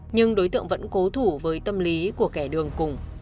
nhưng đối tượng vẫn cố thủ với tâm lý của kẻ đường cùng